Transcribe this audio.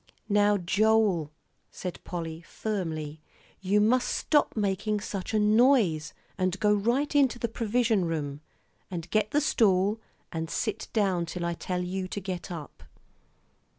"Now, Joel," said Polly, firmly, "you must just stop making such a noise, and go right into the provision room, and get the stool, and sit down till I tell you to get up."